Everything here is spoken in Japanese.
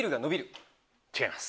違います。